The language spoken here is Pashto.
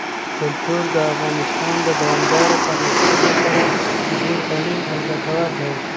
کلتور د افغانستان د دوامداره پرمختګ لپاره ډېر اړین او ګټور دی.